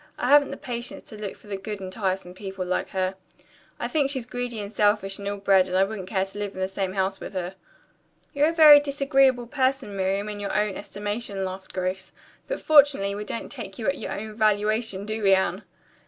I haven't the patience to look for the good in tiresome people like her. I think she's greedy and selfish and ill bred and I wouldn't care to live in the same house with her." "You're a very disagreeable person, Miriam, in your own estimation," laughed Grace, "but fortunately we don't take you at your own valuation, do we, Anne?"